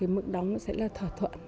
mức đóng sẽ là thỏa thuận